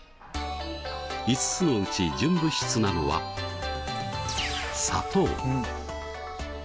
５つのうち純物質なのは砂糖。